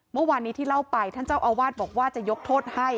เมื่อวานนี้ที่เล่าไปท่านเจ้าอาวาสบอกว่าจะยกโทษให้